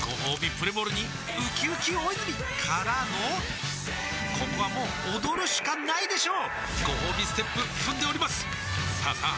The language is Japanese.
プレモルにうきうき大泉からのここはもう踊るしかないでしょうごほうびステップ踏んでおりますさあさあ